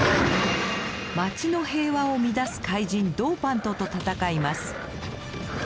街の平和を乱す怪人ドーパントと戦います。